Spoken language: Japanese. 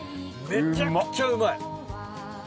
めちゃくちゃうまい。